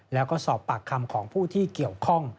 แล้วก็สอบปากคำของผู้ที่เกี่ยวข้อง